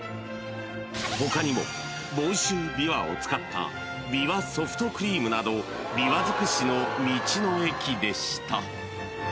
［他にも房州びわを使ったびわソフトクリームなどビワ尽くしの道の駅でした］